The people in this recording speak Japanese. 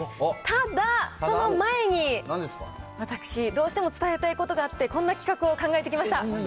ただ、その前に、私、どうしても伝えたいことがあって、こんな企画を考えてきました。